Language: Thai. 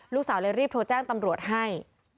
ลูกสาวเลยรีบโทรแจ้งตำรวจให้